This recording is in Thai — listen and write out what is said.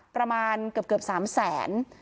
ประมาณเกือบ๓แสน